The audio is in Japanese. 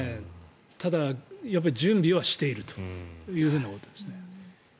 ただ、準備はしているということですね。